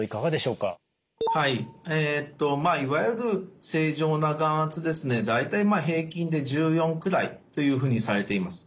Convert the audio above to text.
はいまあいわゆる正常な眼圧ですね大体平均で１４くらいというふうにされています。